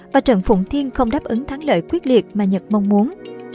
và trận phụng thiên không đáp ứng thắng lợi quyết liệt mà nhật mong muốn